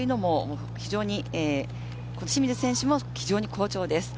清水選手も非常に好調です。